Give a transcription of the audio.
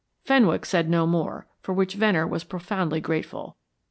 Fenwick said no more, for which Venner was profoundly grateful.